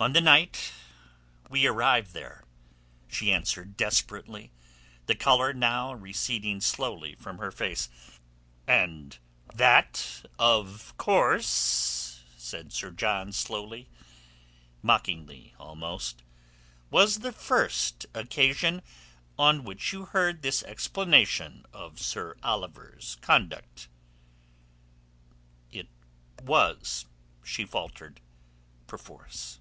"On the night we arrived there," she answered desperately, the colour now receding slowly from her face. "And that, of course," said Sir John slowly, mockingly almost, "was the first occasion on which you heard this explanation of Sir Oliver's conduct?" "It was," she faltered—perforce.